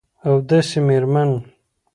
او داسي میرمن